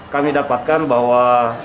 kami dapatkan bahwa